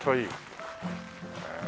へえ。